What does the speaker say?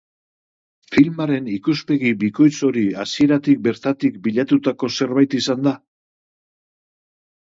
Filmaren ikuspegi bikoitz hori hasieratik bertatik bilatutako zerbait izan da?